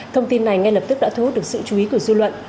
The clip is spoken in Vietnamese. thông tin này ngay lập tức đã thu hút được sự chú ý của dư luận